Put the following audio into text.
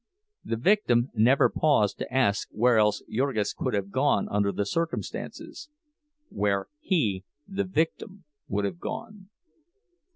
The victim never paused to ask where else Jurgis could have gone under the circumstances—where he, the victim, would have gone.